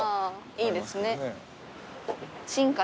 いいですか？